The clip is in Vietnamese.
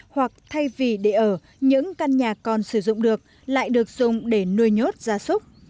hoặc thay vì để ở những căn nhà còn sử dụng được lại được dùng để nuôi nhốt gia súc